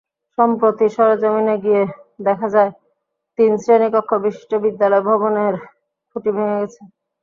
সম্প্রতি সরেজমিনে গিয়ে দেখা যায়, তিন শ্রেণিকক্ষবিশিষ্ট বিদ্যালয় ভবনের খুঁটি ভেঙে গেছে।